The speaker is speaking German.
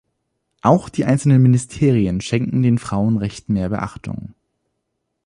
Auch die einzelnen Ministerien schenken den Frauenrechten mehr Beachtung.